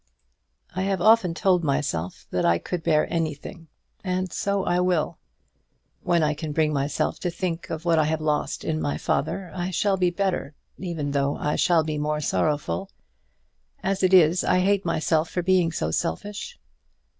I have often told myself that I could bear anything, and so I will. When I can bring myself to think of what I have lost in my father I shall be better, even though I shall be more sorrowful. As it is, I hate myself for being so selfish."